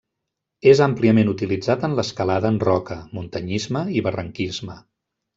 És àmpliament utilitzat en l'escalada en roca, muntanyisme i barranquisme.